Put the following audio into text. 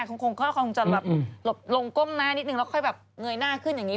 คงจะแบบหลบลงก้มหน้านิดนึงแล้วค่อยแบบเงยหน้าขึ้นอย่างนี้